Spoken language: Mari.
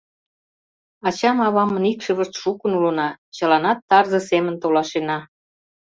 — Ачам-авамын икшывышт шукын улына — чыланат тарзе семын толашена.